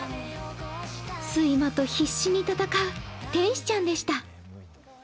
睡魔と必死に闘う天使ちゃんでした。